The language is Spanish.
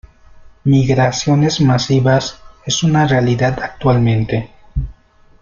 Migraciones masivas es una realidad actualmente.